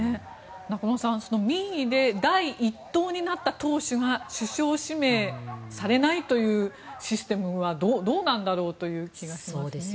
中室さん民意で第１党になった党首が首相指名されないというシステムはどうなんだろうという気がします。